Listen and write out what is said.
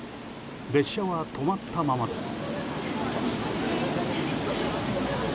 列車は止まったままです。